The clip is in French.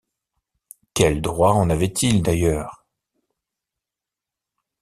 Quel droit en avait-il d’ailleurs ?